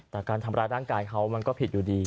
แต่การทำร้ายร่างกายเขามันก็ผิดอยู่ดี